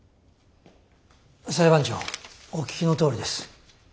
裁判長お聞きのとおりです。